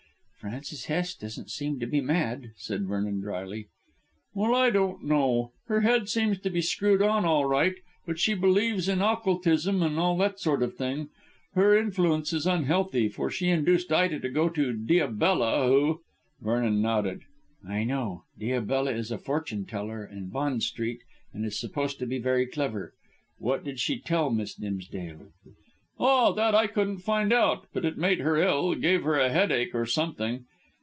"Frances Hest doesn't seem to be mad," said Vernon drily. "Well, I don't know. Her head seems to be screwed on all right, but she believes in occultism and all that sort of thing. Her influence is unhealthy, for she induced Ida to go to Diabella, who " Vernon nodded. "I know. Diabella is a fortune teller in Bond Street and is supposed to be very clever. What did she tell Miss Dimsdale?" "Ah, that I couldn't find out. But it made her ill; gave her a headache or something.